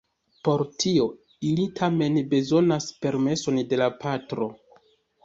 Por tio ili tamen bezonas permeson de la patro.